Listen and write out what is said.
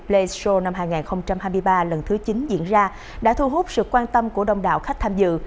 play show năm hai nghìn hai mươi ba lần thứ chín diễn ra đã thu hút sự quan tâm của đông đạo khách tham dự